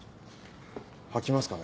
吐きますかね？